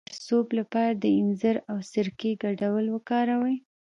د تخه د پړسوب لپاره د انځر او سرکې ګډول وکاروئ